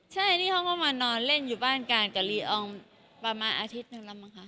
ใช่นี่เขาก็มานอนเล่นอยู่บ้านกันกับลีอองประมาณอาทิตย์หนึ่งแล้วมั้งค่ะ